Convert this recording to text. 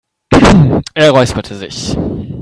Er räusperte sich.